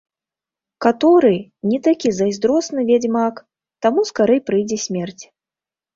Каторы не такі зайздросны вядзьмак, таму скарэй прыйдзе смерць.